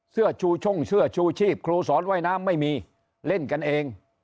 เสื้อชูช่งเสื้อชูชีพครูสอนว่ายน้ำไม่มีเล่นกันเอง